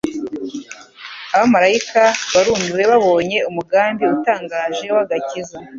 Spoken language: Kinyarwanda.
Abamalayika barumiwe babonye umugambi utangaje w'agakiza,